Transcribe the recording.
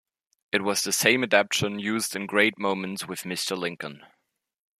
It was the same adaptation used in "Great Moments with Mr. Lincoln".